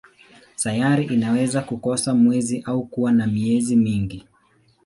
Sayari inaweza kukosa mwezi au kuwa na miezi mingi.